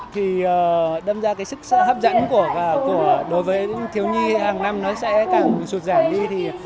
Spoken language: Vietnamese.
thì đâm ra cái sức hấp dẫn đối với thiếu nhi hàng năm nó sẽ càng sụt giảm đi thì